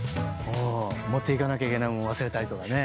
持っていかなきゃいけないもん忘れたりとかね。